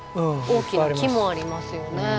大きな木もありますよね。